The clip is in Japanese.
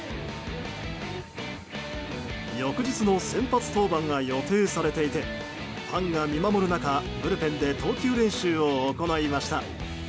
翌日の先発登板が予定されていてファンが見守る中、ブルペンで投球練習を行いました。